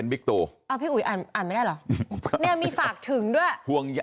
นี่มีฝากถึงด้วย